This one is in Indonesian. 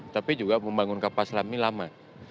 tapi juga membangun kapal selam ini lama